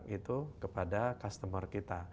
itu kepada customer kita